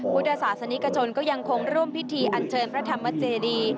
พุทธศาสนิกชนก็ยังคงร่วมพิธีอันเชิญพระธรรมเจดี